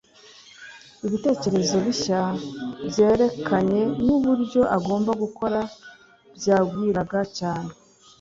ibitekerezo bishya byerekeranye n'uburyo agomba gukora byagwiraga cyane